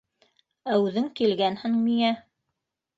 Ә үҙең килгәнһең миңә...